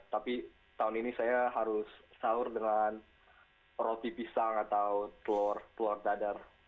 tapi tahun ini saya harus sahur dengan roti pisang atau telur dadar